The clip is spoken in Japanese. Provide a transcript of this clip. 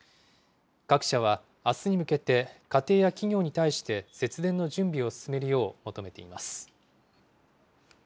各社は、あすに向けて家庭や企業に対して、節電の準備を進めるよう求めています。